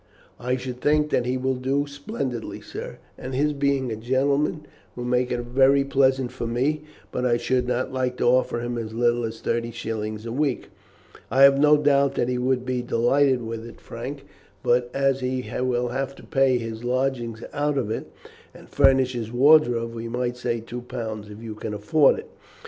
"I should think that he will do splendidly, sir, and his being a gentleman will make it very pleasant for me. But I should not like to offer him as little as thirty shillings a week." "I have no doubt that he would be delighted with it, Frank, but as he will have to pay his lodgings out of it and furnish his wardrobe, we might say two pounds, if you can afford it."